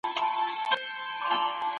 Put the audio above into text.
مشران به د ګډو پولو د ساتنې لپاره طرحي ورکړي.